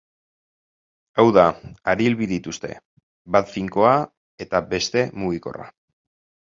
Hau da, haril bi dituzte, bat finkoa eta beste mugikorra.